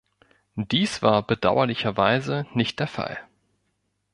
Dies war bedauerlicherweise nicht der Fall.